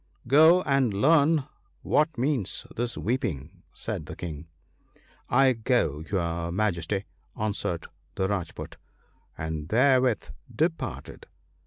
'Go and learn what means this weeping,' said the King. ' I go, your Majesty,' answered the Rajpoot, and there with departed.